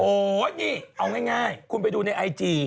โอ้โหนี่เอาง่ายคุณไปดูในไอจี